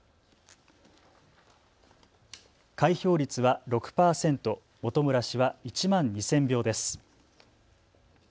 開票率は６％、本村氏は１万２０００票です。